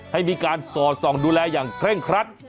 ให้มีการสอดส่องดูแลอย่างเคร่งครัด